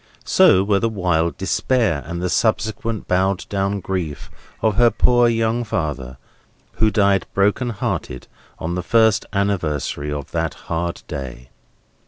So were the wild despair and the subsequent bowed down grief of her poor young father, who died broken hearted on the first anniversary of that hard day.